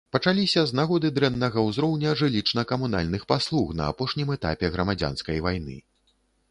Пачаліся з нагоды дрэннага ўзроўня жылічна-камунальных паслуг на апошнім этапе грамадзянскай вайны.